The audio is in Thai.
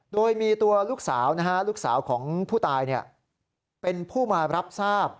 โดยมีตัวลูกสาวลูกสาวของผู้ตายเป็นผู้มารับทราบ